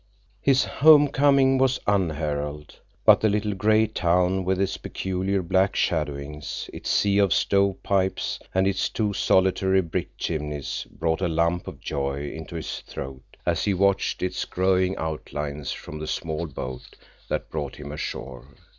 His home coming was unheralded, but the little, gray town, with its peculiar, black shadowings, its sea of stove pipes, and its two solitary brick chimneys, brought a lump of joy into his throat as he watched its growing outlines from the small boat that brought him ashore.